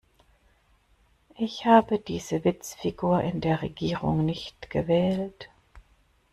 Ich habe diese Witzfigur in der Regierung nicht gewählt.